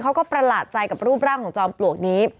ประหลาดใจกับรูปร่างของจอมปลวกนี้